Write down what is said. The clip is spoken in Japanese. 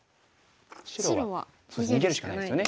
白は逃げるしかないですよね。